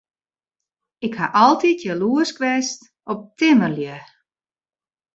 Ik haw altyd jaloersk west op timmerlju.